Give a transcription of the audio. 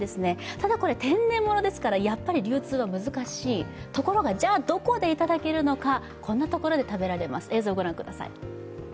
ただ、天然物ですから流通は難しいところが、じゃあどこでいただけるのか、こんな所で食べられます。